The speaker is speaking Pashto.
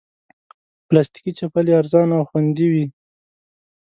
پلاستيکي چپلی ارزانه او خوندې وي.